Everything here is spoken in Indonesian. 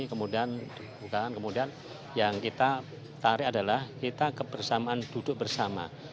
kemudian yang kita tarik adalah kita kebersamaan duduk bersama